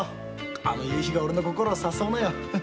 あの夕日が俺の心を誘うのよ。